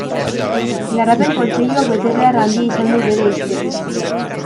Garapen Kontseiluak betebehar handia izan du bere historian.